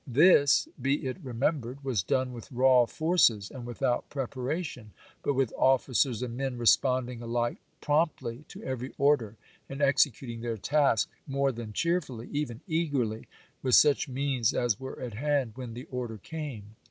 This, be it remem bered, was done with raw forces and without prep aration, but with officers and men responding alike promptly to every order and executing their task more than cheerfully, even eagerly, with such means as were at hand when the order came.